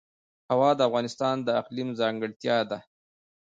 هوا د افغانستان د اقلیم ځانګړتیا ده.